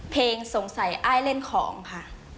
สงสัยอ้ายเล่นของค่ะ